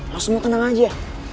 lo semua tenang aja